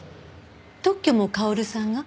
特許も薫さんが？